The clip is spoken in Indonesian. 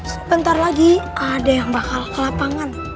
sebentar lagi ada yang bakal ke lapangan